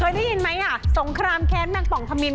เคยได้ยินไหมสงครามแค้นแมงปองธมิน